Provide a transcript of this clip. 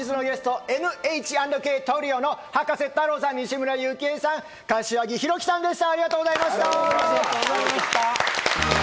本日のゲスト、ＮＨ＆ＫＴＲＩＯの葉加瀬太郎さん、西村由紀江さん、柏木広樹さんでした！